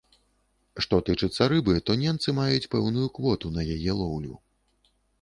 Што тычыцца рыбы, то ненцы маюць пэўную квоту на яе лоўлю.